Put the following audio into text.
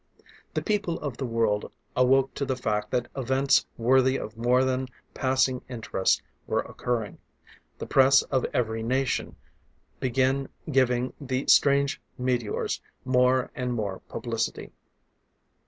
The people of the world awoke to the fact that events worthy of more than passing interest were occurring. The press of every nation begin giving the strange meteors more and more publicity.